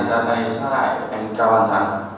sát hại anh cao văn thắng